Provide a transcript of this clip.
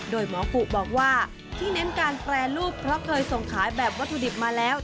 โดยหมอกุบอกว่าที่เน้นการแปรรูปเพราะเคยส่งขายแบบวัตถุดิบมาแล้ว